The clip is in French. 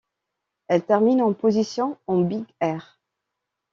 Elle termine en position en Big air.